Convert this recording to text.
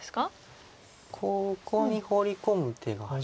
ここにホウリ込む手があります。